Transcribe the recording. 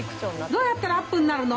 「どうやったらアップになるの？」